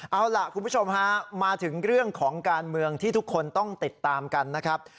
เอาล่ะคุณผู้ชมฮะมาถึงเรื่องของการเมืองที่ทุกคนต้องติดตามกันนะครับ